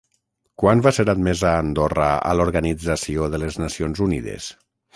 Quan va ser admesa Andorra a l'Organització de les Nacions Unides?